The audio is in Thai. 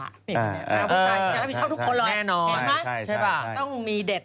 ผู้ชายต้องรับผิดชอบทุกคนเลยเห็นไหมต้องมีเด็ด